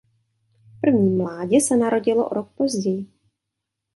První mládě se narodilo o rok později.